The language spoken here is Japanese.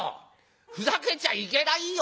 ふざけちゃいけないよ。